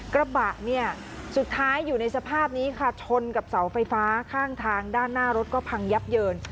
กระบะเนี่ยสุดท้ายอยู่ในสภาพนี้ค่ะชนกับเสาไฟฟ้าข้างทางด้านหน้ารถก็พังยับเยิน